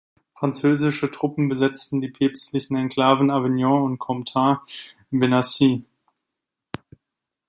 Französische Truppen besetzten die päpstlichen Enklaven Avignon und Comtat Venaissin.